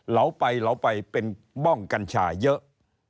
เหลาไปเหลาไปเป็นบ้องกัญชาเยอะ